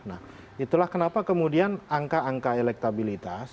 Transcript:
nah itulah kenapa kemudian angka angka elektabilitas